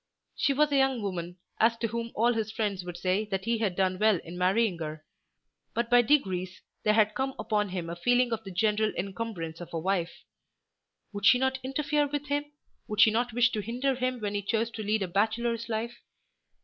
She was a young woman as to whom all his friends would say that he had done well in marrying her. But by degrees there had come upon him a feeling of the general encumbrance of a wife. Would she not interfere with him? Would she not wish to hinder him when he chose to lead a bachelor's life?